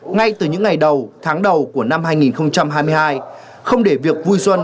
ngay từ những ngày đầu tháng đầu của năm hai nghìn hai mươi hai không để việc vui xuân